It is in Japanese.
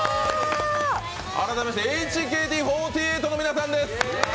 改めましてＨＫＴ４８の皆さんです！